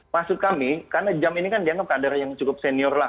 maksud kami karena jam ini kan dianggap kader yang cukup senior lah